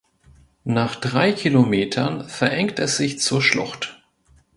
Nach drei Kilometern verengt es sich zur Schlucht.